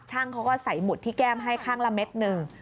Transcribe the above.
ช่างเขาก็ใส่หมุดที่แก้มให้ข้างละเม็ดหนึ่ง